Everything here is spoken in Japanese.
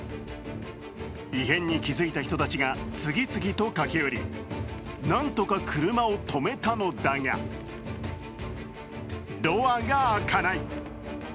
異変に気付いた人たちが次々と駆け寄り何とか車を止めたのだが、ドアが開かない。